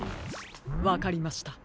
わかりました。